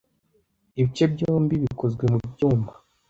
Ibice byombi bikozwe mubyuma.